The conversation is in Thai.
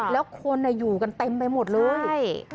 แล้วคนอยู่กันเต็มไปหมดเลย